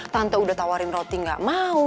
tante udah tawarin roti nggak mau